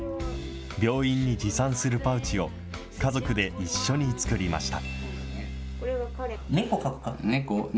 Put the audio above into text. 病院に持参するパウチを、家族で一緒に作りました。